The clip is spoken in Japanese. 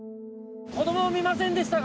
子供を見ませんでしたか？